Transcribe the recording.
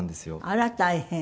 あら大変。